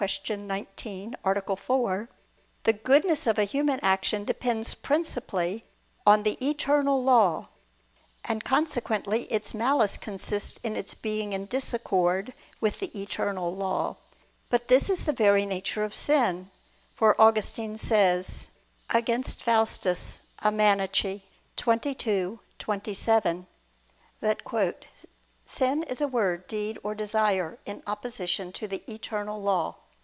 19, A. 4), the goodness of a human action depends principally on the Eternal Law: and consequently its malice consists in its being in disaccord with the Eternal Law. But this is the very nature of sin; for Augustine says (Contra Faust. xxii, 27) that "sin is a word, deed, or desire, in opposition to the Eternal Law."